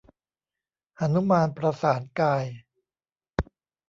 หนุมานประสานกาย